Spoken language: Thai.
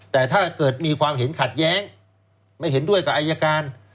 แต่ถ้าเกิดมีความเห็นขัดแย้งไม่เห็นด้วยกับอายการ